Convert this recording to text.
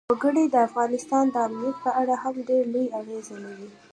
وګړي د افغانستان د امنیت په اړه هم ډېر لوی اغېز لري.